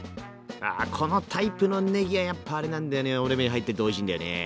あこのタイプのねぎはやっぱあれなんだよねお鍋に入ってるとおいしいんだよね。